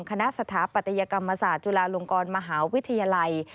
คณะสถาปัตยกรรมศาสตร์จุฬาลงกรมหาวิทยาลัย